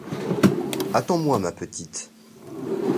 Attends-moi, ma petite.